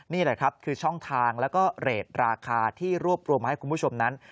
นี่แหละครับคือช่องทางแล้วก็เรทราคาที่รวบรวมมาให้คุณผู้ชมนั้น